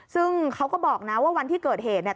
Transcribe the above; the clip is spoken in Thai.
ซึ่งเขาก็บอกนะว่าวันที่เกิดเหตุเนี่ย